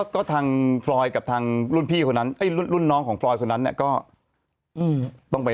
ก็ทางฟรอยด์กับทางรุ่นน้องของฟรอยด์คนนั้นก็ต้องไป